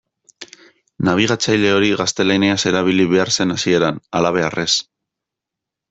Nabigatzaile hori gaztelaniaz erabili behar zen hasieran, halabeharrez.